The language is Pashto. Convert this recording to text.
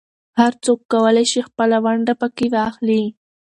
هر څوک کولای شي خپله ونډه پکې واخلي.